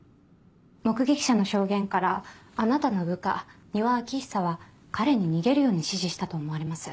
目撃者の証言からあなたの部下丹羽昭久は彼に逃げるように指示したと思われます。